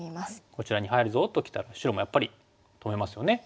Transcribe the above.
こちらに入るぞときたら白もやっぱり止めますよね。